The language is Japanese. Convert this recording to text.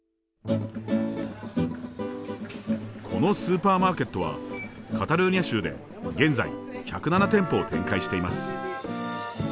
このスーパーマーケットはカタルーニャ州で現在１０７店舗を展開しています。